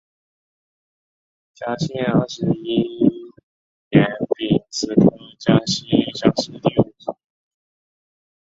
嘉庆二十一年丙子科江西乡试第五十五名举人。